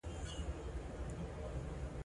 د مرکزي دولت واک هیواد ته په تدریجي توګه پراخه شو.